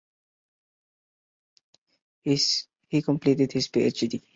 He completed his PhD.